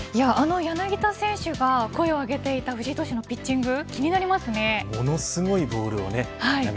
あの柳田選手が声を上げていた藤井投手のピッチングものすごいボールをね